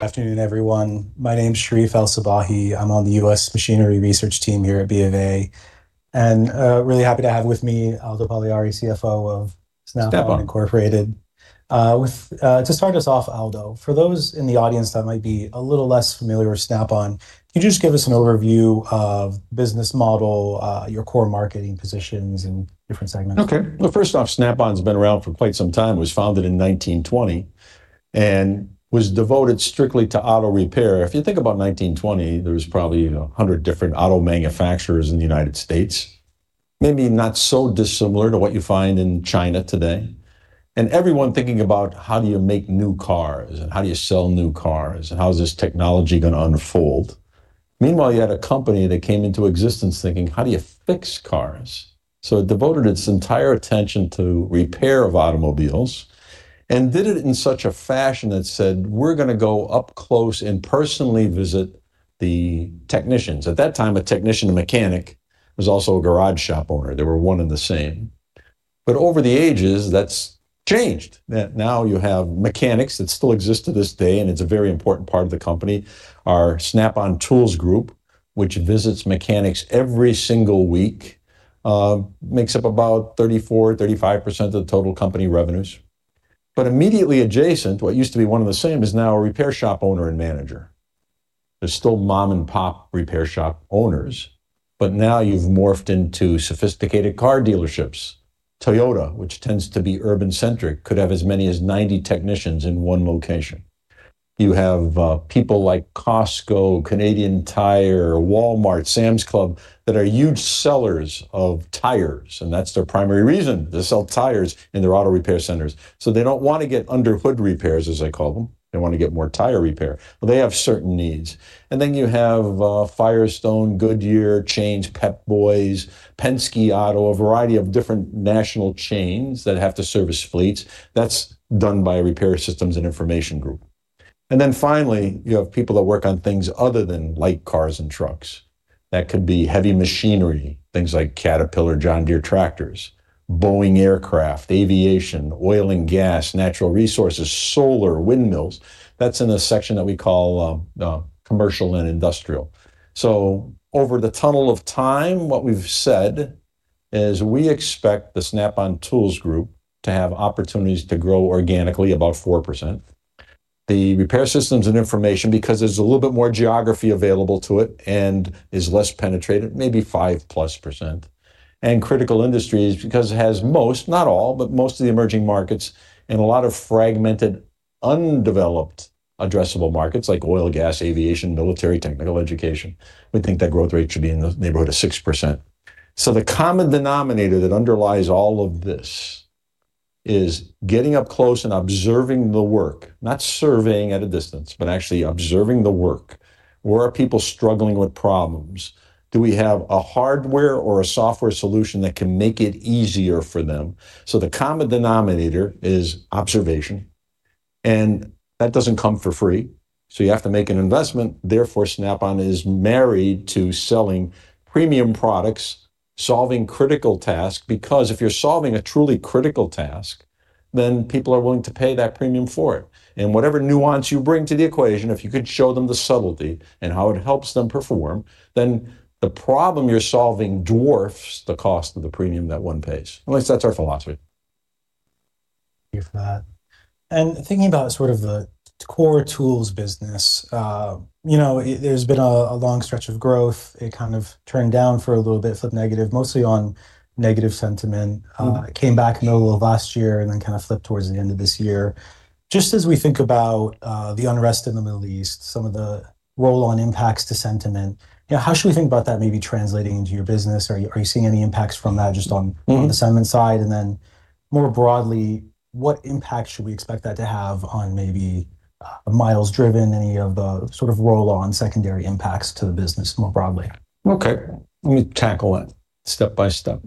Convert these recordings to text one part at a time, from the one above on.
Afternoon, everyone. My name's Sherif El-Sabbahy. I'm on the U.S. Machinery Research team here at BofA, and really happy to have with me Aldo Pagliari, CFO of Snap-on Incorporated. Snap-On. To start us off, Aldo, for those in the audience that might be a little less familiar with Snap-on, can you just give us an overview of business model, your core marketing positions and different segments? Okay. Well, first off, Snap-on's been around for quite some time. It was founded in 1920 and was devoted strictly to auto repair. If you think about 1920, there was probably, you know, 100 different auto manufacturers in the United States, maybe not so dissimilar to what you find in China today. Everyone thinking about how do you make new cars, and how do you sell new cars, and how is this technology going to unfold. Meanwhile, you had a company that came into existence thinking, how do you fix cars? It devoted its entire attention to repair of automobiles and did it in such a fashion that said, "We're gonna go up close and personally visit the technicians." At that time, a technician, a mechanic, was also a garage shop owner. They were one and the same. Over the ages, that's changed. That now you have mechanics that still exist to this day, and it's a very important part of the company. Our Snap-on Tools Group, which visits mechanics every single week, makes up about 34%-35% of the total company revenues. Immediately adjacent, what used to be one and the same, is now a repair shop owner and manager. There's still mom-and-pop repair shop owners, but now you've morphed into sophisticated car dealerships. Toyota, which tends to be urban-centric, could have as many as 90 technicians in one location. You have people like Costco, Canadian Tire, Walmart, Sam's Club, that are huge sellers of tires, and that's their primary reason, to sell tires in their auto repair centers. They don't want to get under hood repairs, as they call them. They want to get more tire repair. They have certain needs. You have Firestone, Goodyear, Jiffy Lube, Pep Boys, Penske Auto, a variety of different national chains that have to service fleets. That's done by Repair Systems & Information Group. Finally, you have people that work on things other than light cars and trucks. That could be heavy machinery, things like Caterpillar, John Deere tractors, Boeing aircraft, aviation, oil and gas, natural resources, solar, windmills. That's in a section that we call commercial and industrial. Over the long haul of time, what we've said is we expect the Snap-on Tools Group to have opportunities to grow organically about 4%. The Repair Systems & Information, because there's a little bit more geography available to it and is less penetrated, maybe 5%+. Critical Industries, because it has most, not all, but most of the emerging markets and a lot of fragmented, undeveloped addressable markets like oil, gas, aviation, military, technical, education. We think that growth rate should be in the neighborhood of 6%. The common denominator that underlies all of this is getting up close and observing the work. Not surveying at a distance but actually observing the work. Where are people struggling with problems? Do we have a hardware or a software solution that can make it easier for them? The common denominator is observation, and that doesn't come for free, so you have to make an investment, therefore, Snap-on is married to selling premium products, solving critical tasks, because if you're solving a truly critical task, then people are willing to pay that premium for it. Whatever nuance you bring to the equation, if you could show them the subtlety and how it helps them perform, then the problem you're solving dwarfs the cost of the premium that one pays. At least that's our philosophy. Thank you for that. Thinking about sort of the core tools business, you know, there's been a long stretch of growth. It kind of turned down for a little bit, flipped negative, mostly on negative sentiment. Mm-hmm. It came back middle of last year and then kind of flipped towards the end of this year. Just as we think about the unrest in the Middle East, some of the roll-on impacts to sentiment, you know, how should we think about that maybe translating into your business? Are you seeing any impacts from that just on- Mm-hmm. the sentiment side? More broadly, what impact should we expect that to have on maybe miles driven, any of the sort of roll-on secondary impacts to the business more broadly? Okay. Let me tackle it step by step.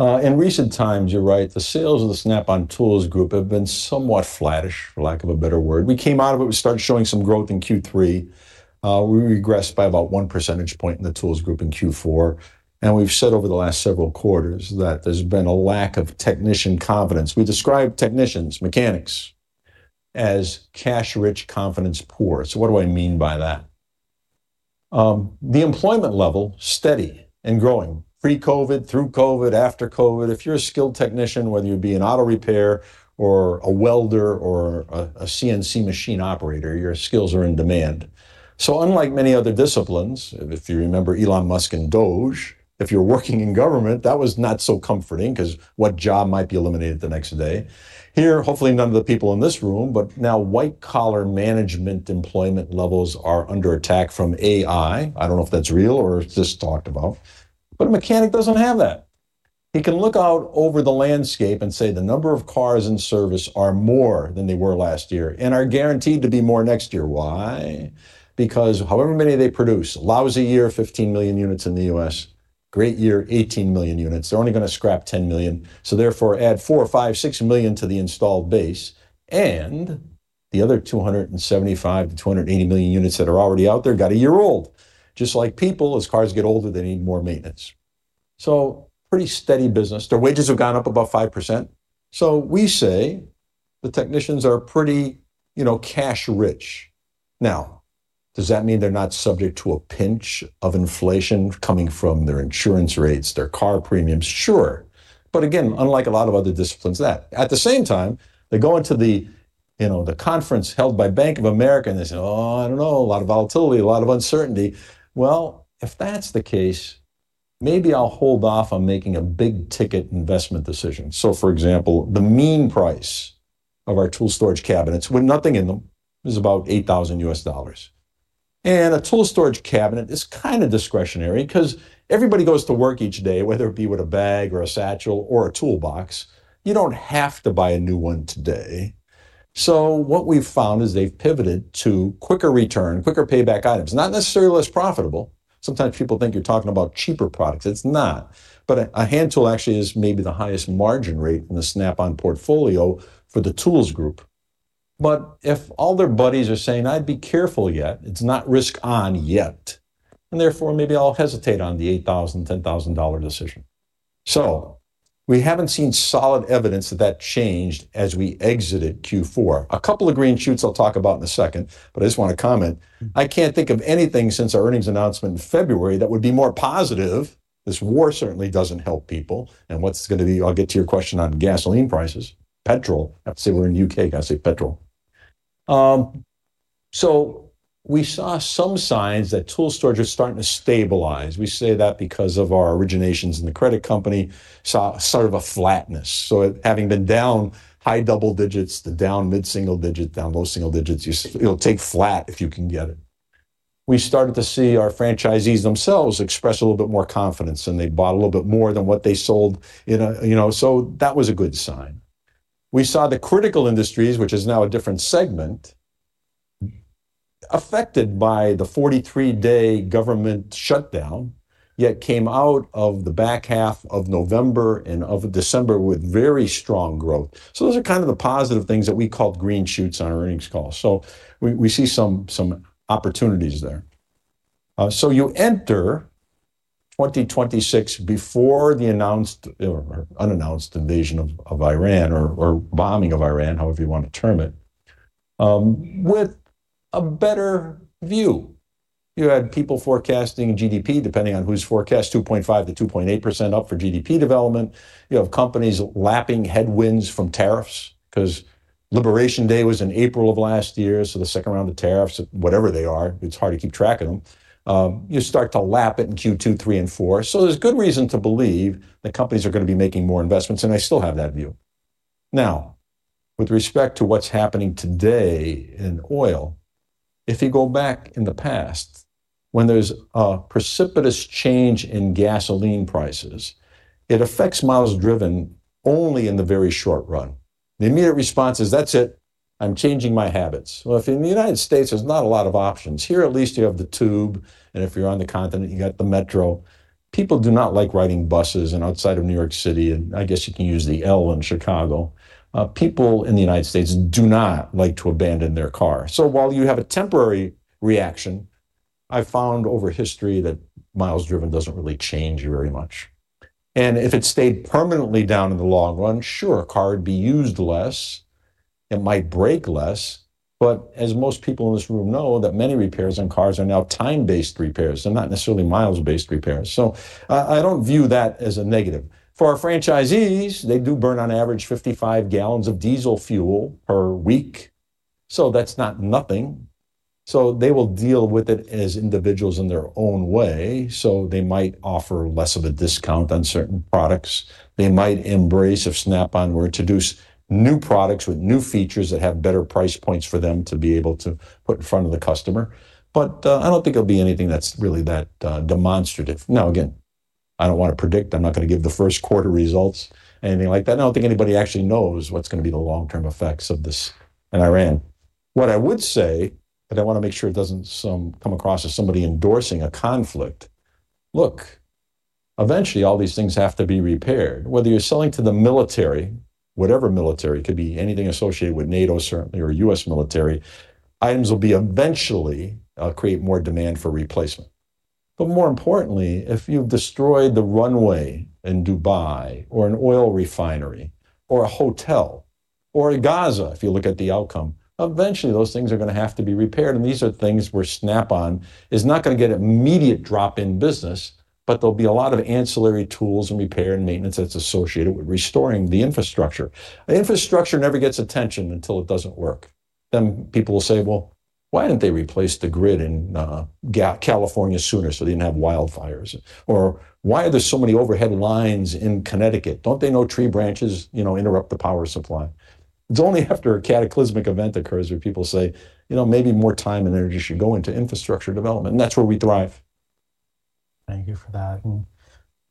In recent times, you're right, the sales of the Snap-on Tools Group have been somewhat flattish, for lack of a better word. We came out of it. We started showing some growth in Q3. We regressed by about one percentage point in the Tools Group in Q4, and we've said over the last several quarters that there's been a lack of technician confidence. We describe technicians, mechanics, as cash rich, confidence poor. What do I mean by that? The employment level, steady and growing. Pre-COVID, through COVID, after COVID. If you're a skilled technician, whether you be in auto repair or a welder or a CNC machine operator, your skills are in demand. Unlike many other disciplines, if you remember Elon Musk and DOGE, if you're working in government, that was not so comforting because what job might be eliminated the next day. Here, hopefully none of the people in this room, but now white-collar management employment levels are under attack from AI. I don't know if that's real or it's just talked about, but a mechanic doesn't have that. He can look out over the landscape and say the number of cars in service are more than they were last year and are guaranteed to be more next year. Why? Because however many they produce, lousy year, 15 million units in the U.S., great year, 18 million units. They're only going to scrap 10 million. Therefore add 4 million-6 million to the installed base, and the other 275 million-280 million units that are already out there got a year older. Just like people, as cars get older, they need more maintenance. Pretty steady business. Their wages have gone up about 5% so we say the technicians are pretty, you know, cash rich. Now, does that mean they're not subject to a pinch of inflation coming from their insurance rates, their car premiums? Sure. But again, unlike a lot of other disciplines that. At the same time, they go into the, you know, the conference held by Bank of America, and they say, "Oh, I don't know. A lot of volatility, a lot of uncertainty." Well, if that's the case, maybe I'll hold off on making a big-ticket investment decision. For example, the mean price of our tool storage cabinets with nothing in them is about $8,000. A tool storage cabinet is kind of discretionary because everybody goes to work each day, whether it be with a bag or a satchel or a toolbox. You don't have to buy a new one today. What we've found is they've pivoted to quicker return, quicker payback items. Not necessarily less profitable. Sometimes people think you're talking about cheaper products. It's not. A hand tool actually is maybe the highest margin rate in the Snap-on portfolio for the tools group. If all their buddies are saying, "I'd be careful yet. It's not risk on yet," and therefore maybe I'll hesitate on the $8,000-$10,000-dollar decision. We haven't seen solid evidence that that changed as we exited Q4. A couple of green shoots I'll talk about in a second, but I just want to comment. I can't think of anything since our earnings announcement in February that would be more positive. This war certainly doesn't help people, and what's going to be. I'll get to your question on gasoline prices. Petrol. I have to say. We're in the U.K., got to say petrol. We saw some signs that Tool Storage was starting to stabilize. We say that because of our originations in the credit company, saw sort of a flatness. It having been down high double digits to down mid-single digit, down low single digits, you'll take flat if you can get it. We started to see our franchisees themselves express a little bit more confidence, and they bought a little bit more than what they sold in a, you know, so that was a good sign. We saw the Critical Industries, which is now a different segment, affected by the 43-day government shutdown, yet came out of the back half of November and of December with very strong growth. Those are kind of the positive things that we called green shoots on our earnings call. We see some opportunities there. You enter 2026 before the announced or unannounced invasion of Iran or bombing of Iran, however you want to term it, with a better view. You had people forecasting GDP, depending on whose forecast, 2.5%-2.8% up for GDP development. You have companies lapping headwinds from tariffs, because Liberation Day was in April of last year, so the second round of tariffs, whatever they are, it's hard to keep track of them, you start to lap it in Q2, Q3 and Q4. There's good reason to believe that companies are going to be making more investments, and I still have that view. Now, with respect to what's happening today in oil, if you go back in the past when there's a precipitous change in gasoline prices, it affects miles driven only in the very short run. The immediate response is, "That's it. I'm changing my habits." Well, if you're in the United States, there's not a lot of options. Here, at least you have the tube, and if you're on the continent, you got the metro. People do not like riding buses and outside of New York City, and I guess you can use the L in Chicago. People in the United States do not like to abandon their car. While you have a temporary reaction, I found over history that miles driven doesn't really change very much. If it stayed permanently down in the long run, sure, a car would be used less. It might break less. As most people in this room know, that many repairs on cars are now time-based repairs. They're not necessarily miles-based repairs. I don't view that as a negative. For our franchisees, they do burn on average 55 gallons of diesel fuel per week, so that's not nothing. They will deal with it as individuals in their own way, so they might offer less of a discount on certain products. They might embrace if Snap-on were to introduce new products with new features that have better price points for them to be able to put in front of the customer. I don't think it'll be anything that's really that demonstrative. Now, again, I don't want to predict. I'm not going to give the first quarter results or anything like that. I don't think anybody actually knows what's going to be the long-term effects of this in Iran. What I would say, but I want to make sure it doesn't come across as somebody endorsing a conflict. Look, eventually all these things have to be repaired. Whether you're selling to the military, whatever military, could be anything associated with NATO certainly or U.S. military, items will eventually create more demand for replacement. More importantly, if you've destroyed the runway in Dubai or an oil refinery or a hotel or Gaza, if you look at the outcome, eventually those things are going to have to be repaired, and these are things where Snap-on is not going to get immediate drop in business, but there'll be a lot of ancillary tools and repair and maintenance that's associated with restoring the infrastructure. Infrastructure never gets attention until it doesn't work. Then people will say, "Well, why didn't they replace the grid in California sooner, so they didn't have wildfires?" Or "Why are there so many overhead lines in Connecticut? Don't they know tree branches, you know, interrupt the power supply?" It's only after a cataclysmic event occurs where people say, "You know, maybe more time and energy should go into infrastructure development," and that's where we thrive. Thank you for that. You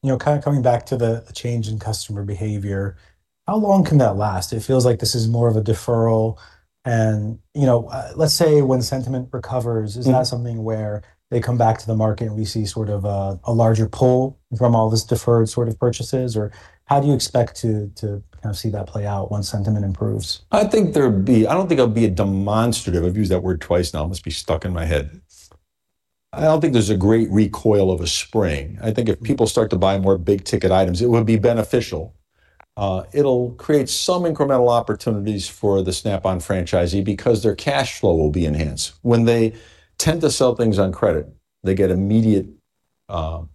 know, kind of coming back to the change in customer behavior, how long can that last? It feels like this is more of a deferral and, you know, let's say when sentiment recovers. Mm-hmm. Is that something where they come back to the market and we see sort of a larger pull from all this deferred sort of purchases? Or how do you expect to kind of see that play out once sentiment improves? I think there'd be. I don't think it'll be a demonstrative. I've used that word twice now. It must be stuck in my head. I don't think there's a great recoil of a spring. I think if people start to buy more big-ticket items, it would be beneficial. It'll create some incremental opportunities for the Snap-on franchisee because their cash flow will be enhanced. When they tend to sell things on credit, they get immediate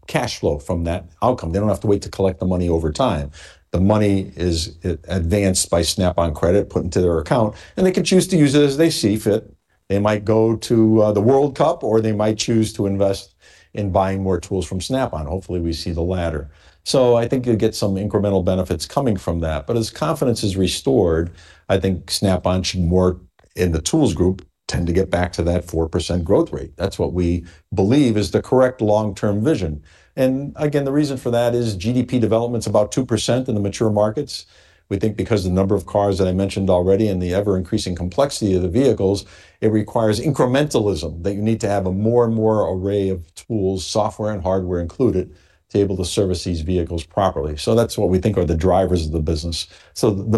cash flow from that outcome. They don't have to wait to collect the money over time. The money is advanced by Snap-on Credit, put into their account, and they can choose to use it as they see fit. They might go to the World Cup, or they might choose to invest in buying more tools from Snap-on. Hopefully, we see the latter. I think you'll get some incremental benefits coming from that. As confidence is restored, I think Snap-on should more, in the tools group, tend to get back to that 4% growth rate. That's what we believe is the correct long-term vision. Again, the reason for that is GDP developments about 2% in the mature markets. We think because the number of cars that I mentioned already and the ever-increasing complexity of the vehicles, it requires incrementalism, that you need to have a more and more array of tools, software and hardware included, to be able to service these vehicles properly. That's what we think are the drivers of the business. As the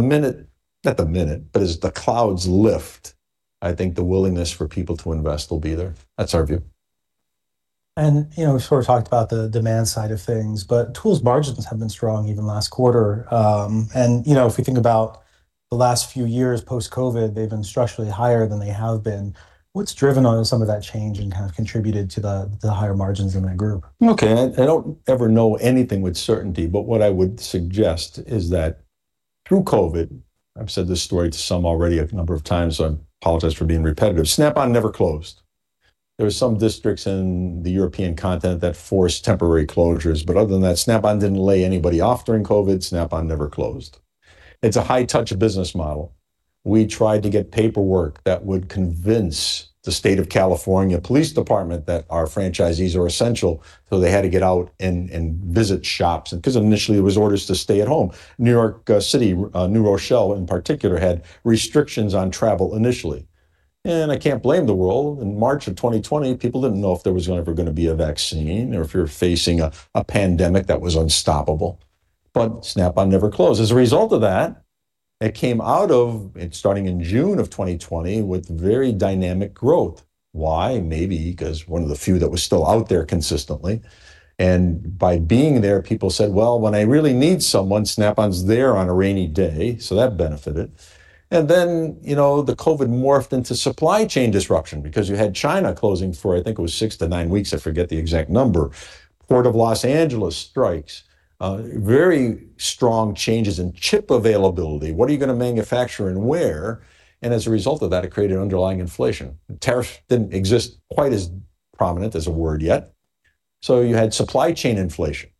clouds lift, I think the willingness for people to invest will be there. That's our view. You know, we sort of talked about the demand side of things, but tools margins have been strong even last quarter. You know, if we think about the last few years post-COVID, they've been structurally higher than they have been. What's driven some of that change and kind of contributed to the higher margins in that group? Okay. I don't ever know anything with certainty, but what I would suggest is that through COVID, I've said this story to some already a number of times, so I apologize for being repetitive. Snap-on never closed. There were some districts in the European continent that forced temporary closures, but other than that, Snap-on didn't lay anybody off during COVID. Snap-on never closed. It's a high-touch business model. We tried to get paperwork that would convince the State of California Police Department that our franchisees are essential, so they had to get out and visit shops. Because initially, it was orders to stay at home. New York City, New Rochelle in particular, had restrictions on travel initially. I can't blame the world. In March of 2020, people didn't know if there was ever going to be a vaccine or if you're facing a pandemic that was unstoppable. Snap-on never closed. As a result of that, it came out of, starting in June of 2020, with very dynamic growth. Why? Maybe because one of the few that was still out there consistently, and by being there, people said, "Well, when I really need someone, Snap-on's there on a rainy day." That benefited. Then, you know, the COVID morphed into supply chain disruption because you had China closing for, I think it was six to nine weeks. I forget the exact number. Port of Los Angeles strikes, very strong changes in chip availability. What are you going to manufacture and where? As a result of that, it created underlying inflation. Tariff didn't exist quite as prominent as a word yet. You had supply chain inflation.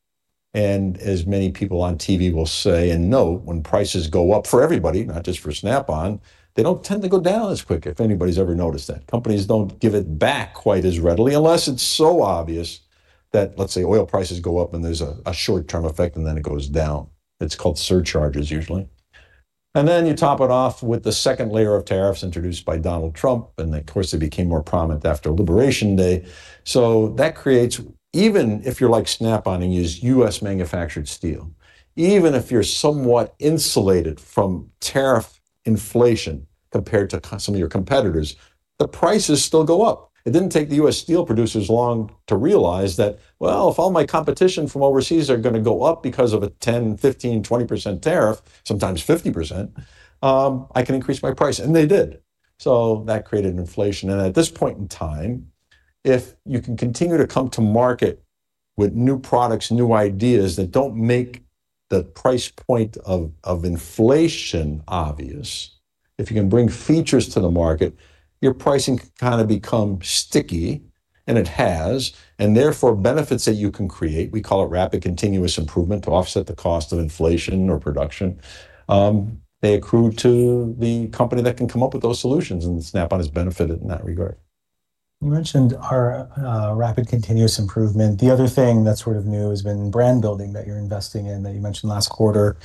As many people on TV will say and note, when prices go up for everybody, not just for Snap-on, they don't tend to go down as quick, if anybody's ever noticed that. Companies don't give it back quite as readily unless it's so obvious that, let's say, oil prices go up and there's a short-term effect, and then it goes down. It's called surcharges usually. You top it off with the second layer of tariffs introduced by Donald Trump, and of course, it became more prominent after Liberation Day. That creates. Even if you're like Snap-on and use U.S.-manufactured steel, even if you're somewhat insulated from tariff inflation compared to some of your competitors, the prices still go up. It didn't take the U.S. steel producers long to realize that "Well, if all my competition from overseas are going to go up because of a 10, 15, 20% tariff, sometimes 50%, I can increase my price." They did. That created inflation. At this point in time, if you can continue to come to market with new products, new ideas that don't make the price point of inflation obvious, if you can bring features to the market, your pricing kind of becomes sticky, and it has, and therefore benefits that you can create, we call it Rapid Continuous Improvement to offset the cost of inflation or production, they accrue to the company that can come up with those solutions, and Snap-on has benefited in that regard. You mentioned our Rapid Continuous Improvement. The other thing that's sort of new has been brand building that you're investing in, that you mentioned last quarter.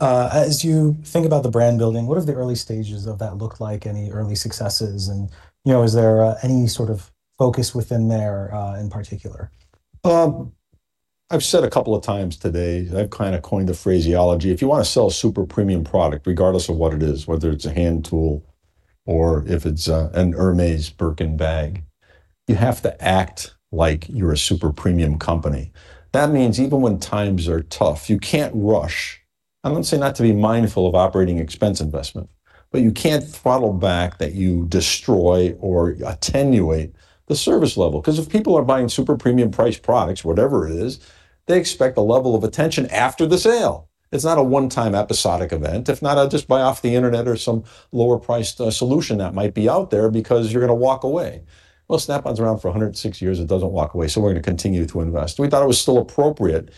As you think about the brand building, what do the early stages of that look like? Any early successes? You know, is there any sort of focus within there in particular? I've said a couple of times today, I've kind of coined the phraseology, if you want to sell a super-premium product, regardless of what it is, whether it's a hand tool or if it's an Hermès Birkin bag, you have to act like you're a super-premium company. That means even when times are tough, you can't rush. I'm not saying not to be mindful of operating expense investment, but you can't throttle back that you destroy or attenuate the service level. Because if people are buying super premium priced products, whatever it is, they expect a level of attention after the sale. It's not a one-time episodic event. If not, I'll just buy off the internet or some lower priced solution that might be out there because you're going to walk away. Well, Snap-on's around for 106 years. It doesn't walk away, so we're going to continue to invest. We thought it was still appropriate,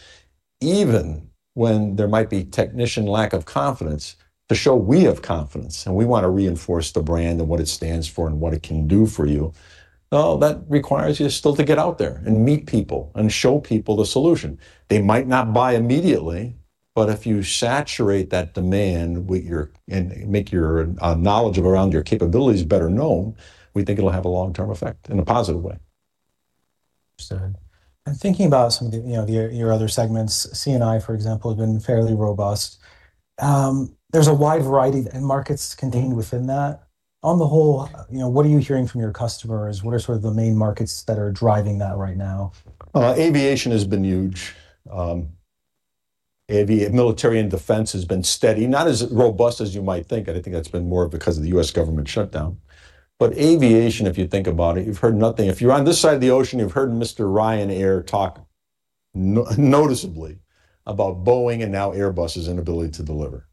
even when there might be technician lack of confidence, to show we have confidence, and we want to reinforce the brand and what it stands for and what it can do for you. Well, that requires you still to get out there and meet people and show people the solution. They might not buy immediately, but if you saturate that demand and make your knowledge around your capabilities better known, we think it'll have a long-term effect in a positive way. Understood. Thinking about some of the, you know, your other segments, C&I, for example, has been fairly robust. There's a wide variety of end markets contained within that. On the whole, you know, what are you hearing from your customers? What are sort of the main markets that are driving that right now? Aviation has been huge. Military and defense has been steady. Not as robust as you might think, and I think that's been more because of the U.S. government shutdown. Aviation, if you think about it, you've heard nothing. If you're on this side of the ocean, you've heard Mr. Ryanair talk noticeably about Boeing and now Airbus' inability to deliver.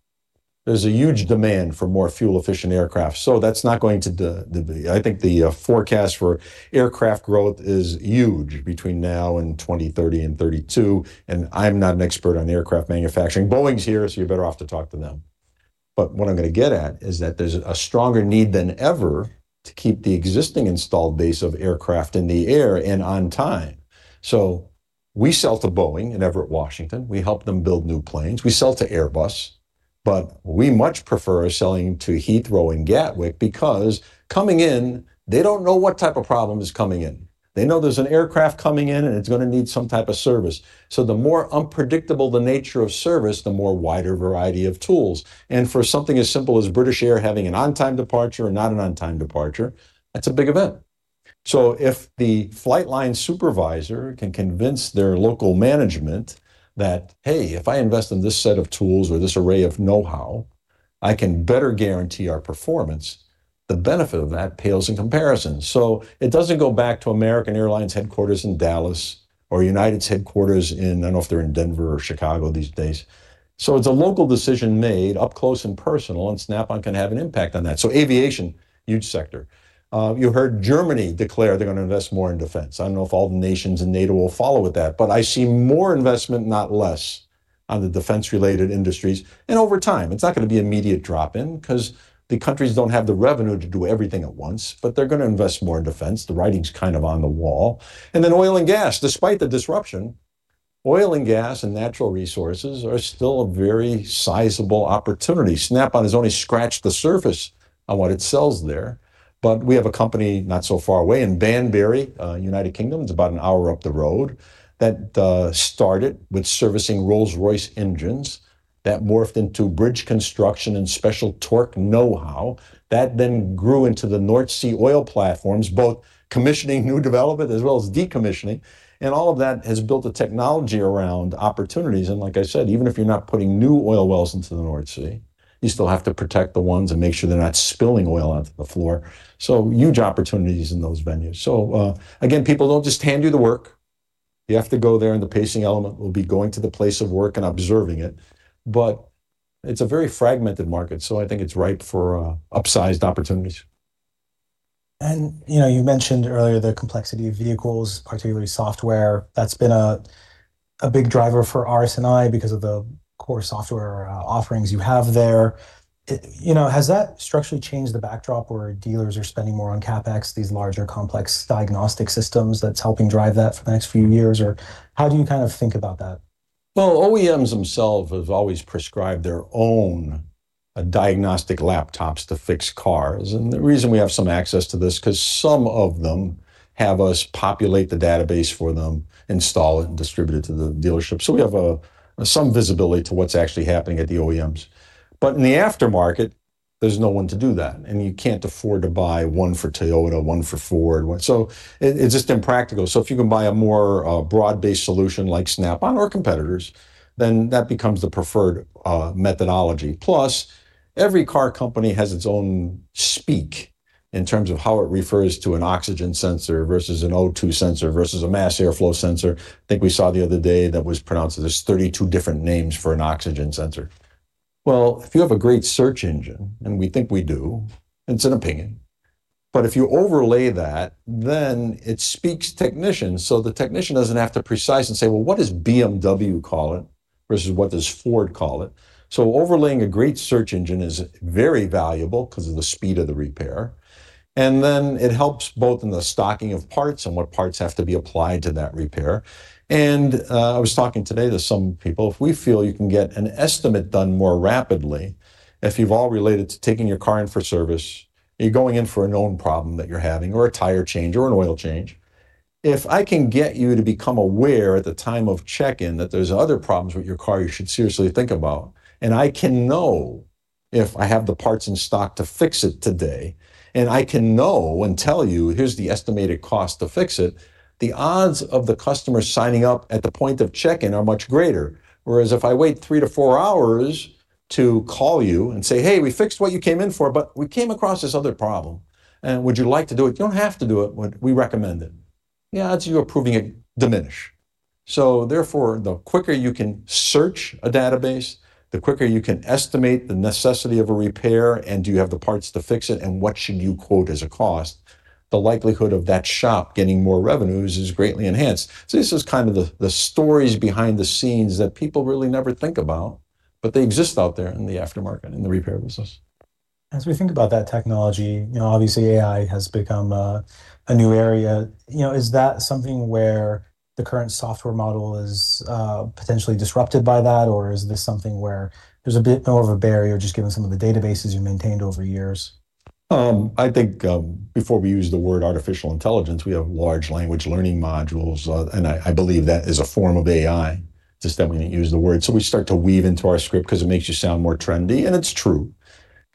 There's a huge demand for more fuel-efficient aircraft, so that's not going to diminish. I think the forecast for aircraft growth is huge between now and 2030 and 2032, and I'm not an expert on aircraft manufacturing. Boeing's here, so you're better off to talk to them. What I'm going to get at is that there's a stronger need than ever to keep the existing installed base of aircraft in the air and on time. We sell to Boeing in Everett, Washington. We help them build new planes. We sell to Airbus, but we much prefer selling to Heathrow and Gatwick because coming in, they don't know what type of problem is coming in. They know there's an aircraft coming in, and it's going to need some type of service, so the more unpredictable the nature of service, the more wider variety of tools. For something as simple as British Airways having an on-time departure or not an on-time departure, that's a big event. If the flight line supervisor can convince their local management that, "Hey, if I invest in this set of tools or this array of know-how, I can better guarantee our performance," the benefit of that pale in comparison. It doesn't go back to American Airlines' headquarters in Dallas or United's headquarters in, I don't know if they're in Denver or Chicago these days. It's a local decision made up close and personal, and Snap-on can have an impact on that. Aviation, huge sector. You heard Germany declare they're going to invest more in defense. I don't know if all the nations in NATO will follow with that, but I see more investment, not less, on the defense-related industries. Over time, it's not going to be immediate drop-in, because the countries don't have the revenue to do everything at once, but they're going to invest more in defense. The writing's kind of on the wall. Then oil and gas. Despite the disruption, oil and gas and natural resources are still a very sizable opportunity. Snap-on has only scratched the surface on what it sells there, but we have a company not so far away in Banbury, United Kingdom, it's about an hour up the road, that started with servicing Rolls-Royce engines that morphed into bridge construction and special torque know-how that then grew into the North Sea oil platforms, both commissioning new development as well as decommissioning, and all of that has built a technology around opportunities. Like I said, even if you're not putting new oil wells into the North Sea, you still have to protect the ones and make sure they're not spilling oil onto the floor. Huge opportunities in those venues. Again, people don't just hand you the work. You have to go there, and the pacing element will be going to the place of work and observing it. It's a very fragmented market, so I think it's ripe for upsized opportunities. You know, you mentioned earlier the complexity of vehicles, particularly software. That's been a big driver for RS&I because of the core software offerings you have there. It. You know, has that structurally changed the backdrop where dealers are spending more on CapEx, these larger complex diagnostic systems that's helping drive that for the next few years? Or how do you kind of think about that? Well, OEMs themselves have always prescribed their own, diagnostic laptops to fix cars. The reason we have some access to this, because some of them have us populate the database for them, install it, and distribute it to the dealership. We have some visibility to what's actually happening at the OEMs. In the aftermarket, there's no one to do that, and you can't afford to buy one for Toyota, one for Ford, one. It's just impractical. If you can buy a more, broad-based solution like Snap-on or competitors, then that becomes the preferred, methodology. Plus, every car company has its own speak in terms of how it refers to an oxygen sensor versus an O2 sensor versus a mass airflow sensor. I think we saw the other day that was pronounced, there's 32 different names for an oxygen sensor. Well, if you have a great search engine, and we think we do, it's an opinion, but if you overlay that, then it speaks technician, so the technician doesn't have to precise and say, "Well, what does BMW call it?" versus, "What does Ford call it?" So, overlaying a great search engine is very valuable because of the speed of the repair, and then it helps both in the stocking of parts and what parts have to be applied to that repair. I was talking today to some people, if we feel you can get an estimate done more rapidly, if you've all related to taking your car in for service, and you're going in for a known problem that you're having or a tire change or an oil change, if I can get you to become aware at the time of check-in that there's other problems with your car you should seriously think about, and I can know if I have the parts in stock to fix it today, and I can know and tell you, "Here's the estimated cost to fix it," the odds of the customer signing up at the point of check-in are much greater. If I wait three to four hours to call you and say, "Hey, we fixed what you came in for, but we came across this other problem, and would you like to do it? You don't have to do it, but we recommend it," the odds of you approving it diminish. Therefore, the quicker you can search a database, the quicker you can estimate the necessity of a repair and do you have the parts to fix it and what should you quote as a cost, the likelihood of that shop getting more revenues is greatly enhanced. This is kind of the stories behind the scenes that people really never think about, but they exist out there in the aftermarket, in the repair business. As we think about that technology, you know, obviously AI has become a new area. You know, is that something where the current software model is potentially disrupted by that, or is this something where there's a bit more of a barrier just given some of the databases you maintained over years? I think before we use the word artificial intelligence, we have large language models, and I believe that is a form of AI. It's just that we didn't use the word, so we start to weave into our script because it makes you sound more trendy, and it's true.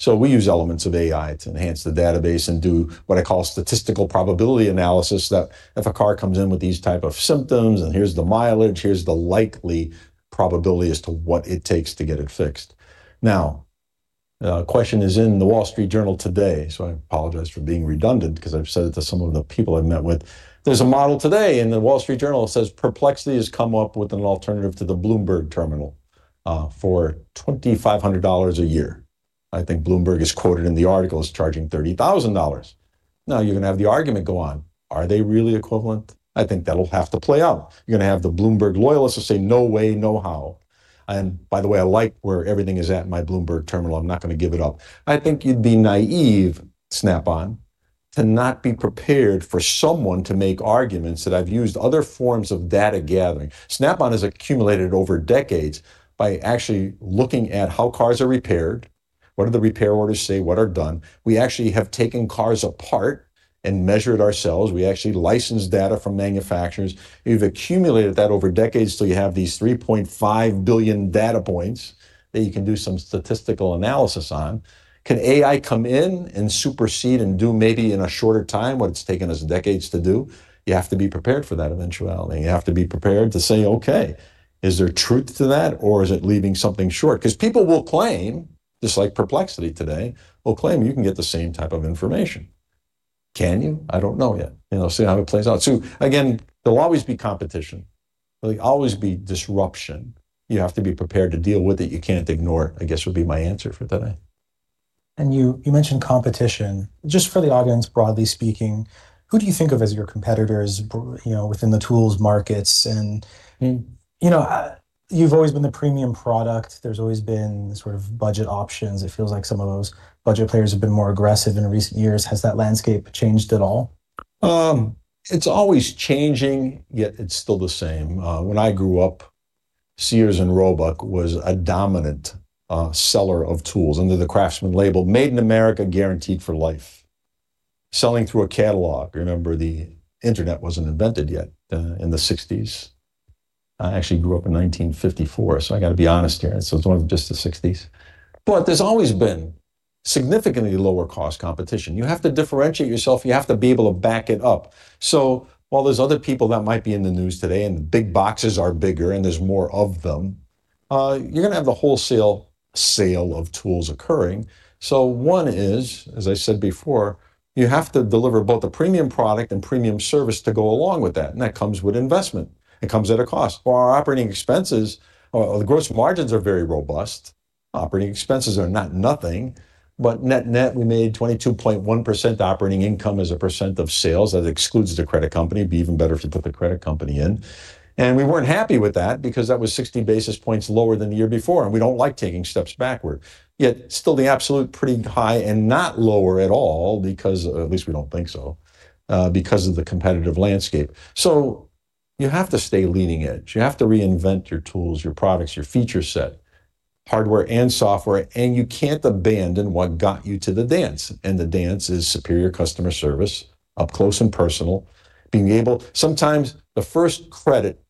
We use elements of AI to enhance the database and do what I call statistical probability analysis, that if a car comes in with these types of symptoms, and here's the mileage, here's the likely probability as to what it takes to get it fixed. Now, a question is in The Wall Street Journal today, so I apologize for being redundant because I've said it to some of the people I've met with. There's a model today in The Wall Street Journal that says Perplexity has come up with an alternative to the Bloomberg Terminal, for $2,500 a year. I think Bloomberg is quoted in the article as charging $30,000. Now, you're going to have the argument go on, are they really equivalent? I think that'll have to play out. You're going to have the Bloomberg loyalists who say, "No way, no how," and by the way, I like where everything is at in my Bloomberg Terminal. I'm not going to give it up. I think you'd be naive, Snap-on, to not be prepared for someone to make arguments that I've used other forms of data gathering. Snap-on has accumulated over decades by actually looking at how cars are repaired, what do the repair orders say, what are done. We actually have taken cars apart and measured ourselves. We actually license data from manufacturers. We've accumulated that over decades till you have these 3.5 billion data points that you can do some statistical analysis on. Can AI come in and supersede and do maybe in a shorter time what it's taken us decades to do? You have to be prepared for that eventuality, and you have to be prepared to say, "Okay, is there truth to that, or is it leaving something short?" Because people will claim, just like Perplexity today, will claim you can get the same type of information. Can you? I don't know yet. You know, see how it plays out. Again, there'll always be competition. There'll always be disruption. You have to be prepared to deal with it. You can't ignore it, I guess would be my answer for today. You mentioned competition. Just for the audience, broadly speaking, who do you think of as your competitors, you know, within the tools markets and, I mean, you know, you've always been the premium product. There's always been sort of budget options. It feels like some of those budget players have been more aggressive in recent years. Has that landscape changed at all? It's always changing, yet it's still the same. When I grew up, Sears, Roebuck and Co. was a dominant seller of tools under the Craftsman label, made in America, guaranteed for life. Selling through a catalog. Remember, the internet wasn't invented yet in the sixties. I actually grew up in 1954, so I got to be honest here. It's more than just the sixties. But there's always been significantly lower cost competition. You have to differentiate yourself. You have to be able to back it up. While there's other people that might be in the news today, and the big boxes are bigger and there's more of them, you're going to have the wholesale sale of tools occurring. One is, as I said before, you have to deliver both a premium product and premium service to go along with that, and that comes with investment. It comes at a cost. For our operating expenses, the gross margins are very robust. Operating expenses are not nothing. Net we made 22.1% operating income as a percent of sales. That excludes the credit company. It'd be even better if you put the credit company in. We weren't happy with that because that was 60 basis points lower than the year before, and we don't like taking steps backward. Yet still the absolute pretty high and not lower at all because, at least we don't think so, because of the competitive landscape. You have to stay leading edge. You have to reinvent your tools, your products, your feature set, hardware and software, and you can't abandon what got you to the dance, and the dance is superior customer service, up close and personal. Sometimes the first credit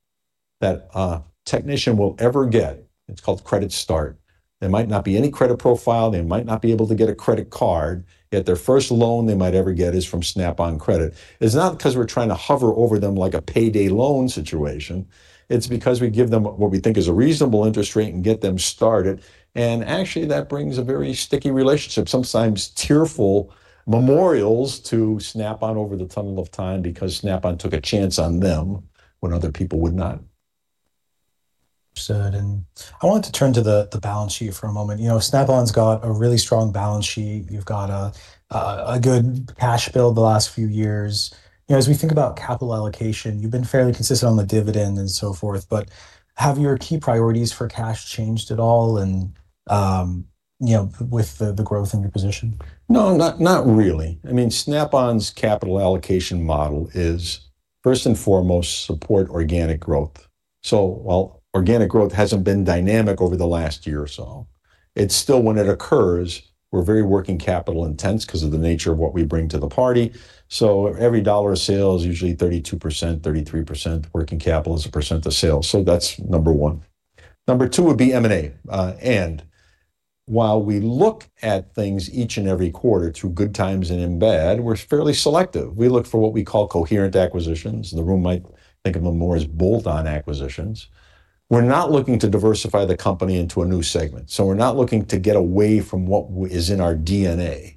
that a technician will ever get, it's called Credit Start, there might not be any credit profile, they might not be able to get a credit card, yet their first loan they might ever get is from Snap-on Credit. It's not because we're trying to hover over them like a payday loan situation. It's because we give them what we think is a reasonable interest rate and get them started. Actually, that brings a very sticky relationship, sometimes tearful memorials to Snap-on over the tunnel of time because Snap-on took a chance on them when other people would not. Understood, I wanted to turn to the balance sheet for a moment. You know, Snap-on's got a really strong balance sheet. You've got a good cash build the last few years. You know, as we think about capital allocation, you've been fairly consistent on the dividend and so forth, but have your key priorities for cash changed at all and, you know, with the growth in your position? No, not really. I mean, Snap-on's capital allocation model is first and foremost support organic growth. While organic growth hasn't been dynamic over the last year or so, it's still when it occurs, we're very working capital intense because of the nature of what we bring to the party. Every dollar of sale is usually 32%, 33% working capital as a percent of sales. That's number one. Number two would be M&A. While we look at things each and every quarter through good times and in bad, we're fairly selective. We look for what we call coherent acquisitions. The room might think of them more as bolt-on acquisitions. We're not looking to diversify the company into a new segment. We're not looking to get away from what is in our DNA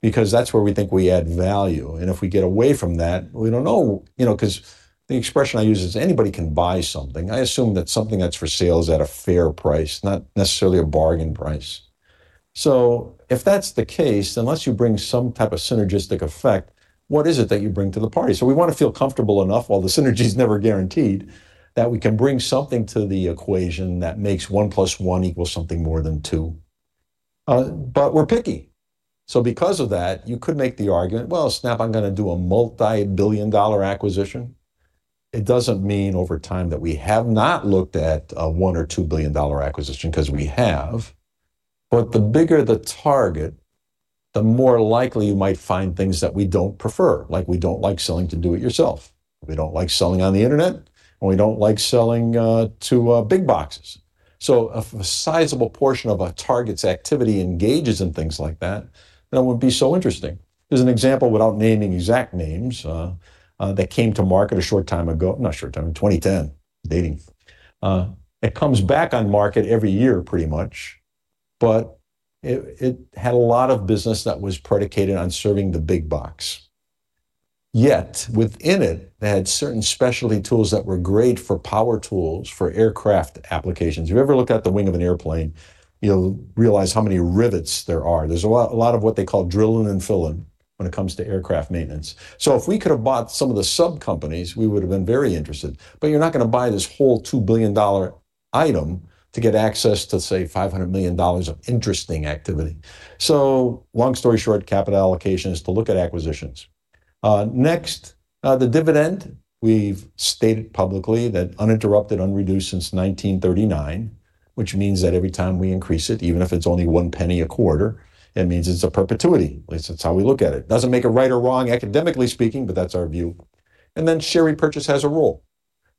because that's where we think we add value. If we get away from that, we don't know, you know, because the expression I use is anybody can buy something. I assume that something that's for sale is at a fair price, not necessarily a bargain price. If that's the case, unless you bring some type of synergistic effect, what is it that you bring to the party? We want to feel comfortable enough, while the synergies never guaranteed, that we can bring something to the equation that makes one plus one equal something more than two. We're picky. Because of that, you could make the argument, "Well, Snap-on going to do a multi-billion-dollar acquisition?" It doesn't mean over time that we have not looked at a $1 billion or $2 billion acquisition, because we have. The bigger the target, the more likely you might find things that we don't prefer, like we don't like selling to do-it-yourself, we don't like selling on the internet, and we don't like selling to big boxes. If a sizable portion of a target's activity engages in things like that, then it would be so interesting. There's an example, without naming exact names, that came to market a short time ago, not a short time, in 2010. It comes back on market every year pretty much, but it had a lot of business that was predicated on serving the big box. Yet within it, they had certain specialty tools that were great for power tools, for aircraft applications. If you ever look at the wing of an airplane, you'll realize how many rivets there are. There's a lot of what they call drilling and filling when it comes to aircraft maintenance. If we could have bought some of the sub-companies, we would have been very interested, but you're not going to buy this whole $2 billion item to get access to, say, $500 million of interesting activity. Long story short, capital allocation is to look at acquisitions. The dividend, we've stated publicly that uninterrupted, unreduced since 1939, which means that every time we increase it, even if it's only one penny a quarter, it means it's a perpetuity. At least that's how we look at it. Doesn't make it right or wrong academically speaking, but that's our view. Share repurchase has a role.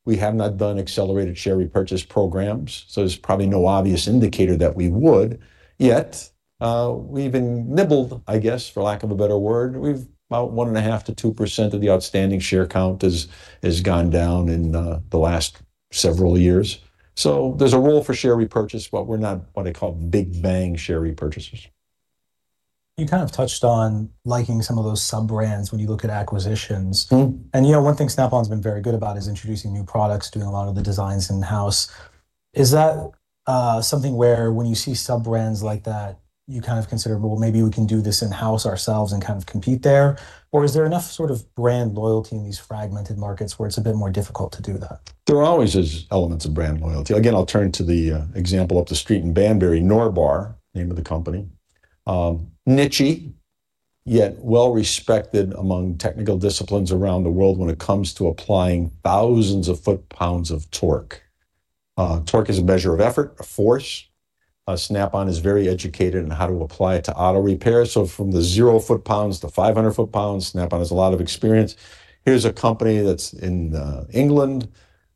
We have not done accelerated share repurchase programs, so there's probably no obvious indicator that we would. We even nibbled, I guess, for lack of a better word. We've about 1.5%-2% of the outstanding share count has gone down in the last several years. There's a role for share repurchase, but we're not what they call big bang share repurchasers. You kind of touched on liking some of those sub-brands when you look at acquisitions. Mm-hmm. You know, one thing Snap-on's been very good about is introducing new products, doing a lot of the designs in-house. Is that something where when you see sub-brands like that, you kind of consider, "Well, maybe we can do this in-house ourselves and kind of compete there"? Or is there enough sort of brand loyalty in these fragmented markets where it's a bit more difficult to do that? There always is elements of brand loyalty. Again, I'll turn to the example up the street in Banbury, Norbar, name of the company. Niche-y, yet well-respected among technical disciplines around the world when it comes to applying thousands of foot-pounds of torque. Torque is a measure of effort, a force. Snap-on is very educated in how to apply it to auto repairs, so from the 0 foot-pounds to 500 foot-pounds, Snap-on has a lot of experience. Here's a company that's in England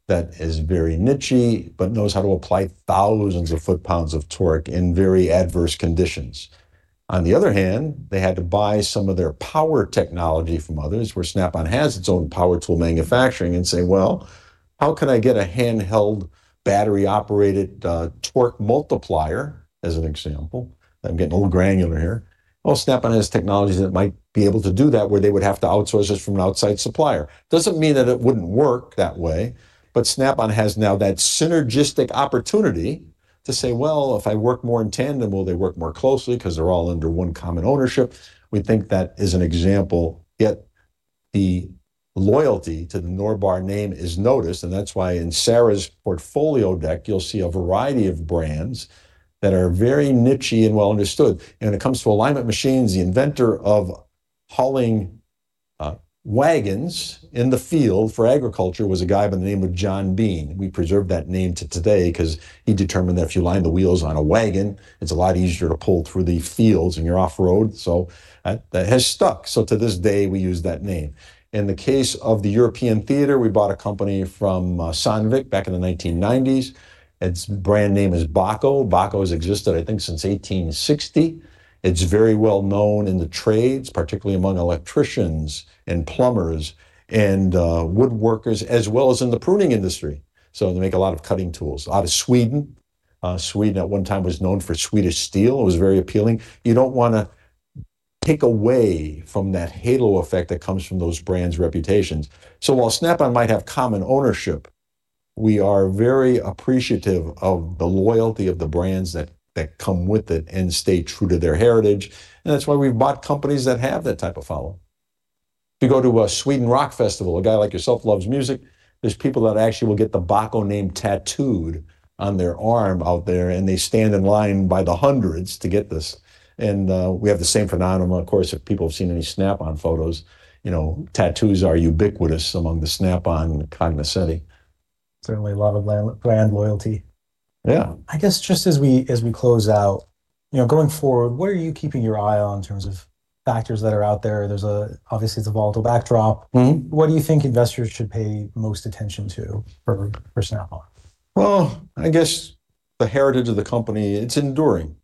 that is very niche-y but knows how to apply thousands of foot-pounds of torque in very adverse conditions. On the other hand, they had to buy some of their power technology from others, where Snap-on has its own power tool manufacturing and say, "Well, how can I get a handheld battery-operated torque multiplier?" as an example. I'm getting a little granular here. Well, Snap-on has technologies that might be able to do that, where they would have to outsource this from an outside supplier. Doesn't mean that it wouldn't work that way, but Snap-on has now that synergistic opportunity to say, "Well, if I work more in tandem, will they work more closely because they're all under one common ownership?" We think that is an example. Yet the loyalty to the Norbar name is noticed, and that's why in Sara's portfolio deck you'll see a variety of brands that are very niche-y and well understood. When it comes to alignment machines, the inventor of hauling wagons in the field for agriculture was a guy by the name of John Bean. We preserve that name to today because he determined that if you line the wheels on a wagon, it's a lot easier to pull through the fields when you're off-road. That has stuck, so to this day we use that name. In the case of the European theater, we bought a company from Sandvik back in the 1990s. Its brand name is Bahco. Bahco has existed, I think, since 1860. It's very well known in the trades, particularly among electricians and plumbers and woodworkers, as well as in the pruning industry, so they make a lot of cutting tools. Out of Sweden. Sweden at one time was known for Swedish steel. It was very appealing. You don't want to take away from that halo effect that comes from those brands' reputations. While Snap-on might have common ownership, we are very appreciative of the loyalty of the brands that come with it and stay true to their heritage, and that's why we've bought companies that have that type of following. If you go to a Sweden Rock Festival, a guy like yourself who loves music, there's people that actually will get the Bahco name tattooed on their arm out there, and they stand in line by the hundreds to get this. We have the same phenomenon, of course, if people have seen any Snap-on photos. You know, tattoos are ubiquitous among the Snap-on cognoscenti. Certainly a lot of brand loyalty. Yeah. I guess just as we close out, you know, going forward, what are you keeping your eye on in terms of factors that are out there? There's obviously, it's a volatile backdrop. Mm-hmm. What do you think investors should pay most attention to for Snap-on? Well, I guess the heritage of the company, it's enduring.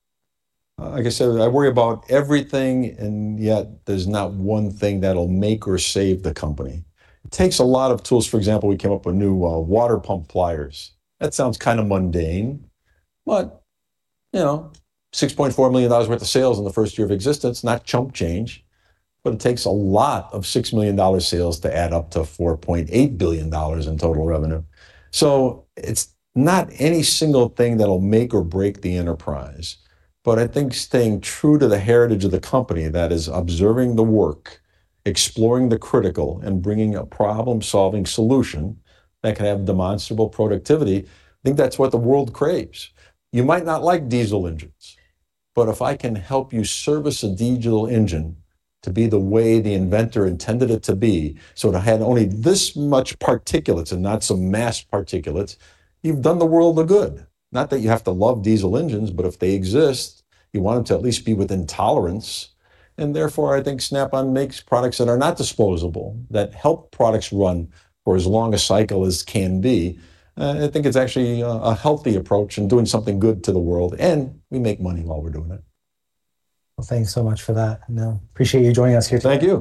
Like I said, I worry about everything, and yet there's not one thing that'll make or save the company. It takes a lot of tools. For example, we came up with new water pump pliers. That sounds kind of mundane, but, you know, $6.4 million worth of sales in the first year of existence, not chump change. But it takes a lot of $6 million sales to add up to $4.8 billion in total revenue. It's not any single thing that'll make or break the enterprise, but I think staying true to the heritage of the company, that is observing the work, exploring the critical, and bringing a problem-solving solution that can have demonstrable productivity, I think that's what the world craves. You might not like diesel engines, but if I can help you service a diesel engine to be the way the inventor intended it to be, so it had only this much particulates and not some mass particulates, you've done the world a good. Not that you have to love diesel engines, but if they exist, you want them to at least be within tolerance, and therefore, I think Snap-on makes products that are not disposable, that help products run for as long a cycle as can be. I think it's actually a healthy approach and doing something good to the world, and we make money while we're doing it. Well, thanks so much for that, and appreciate you joining us here today.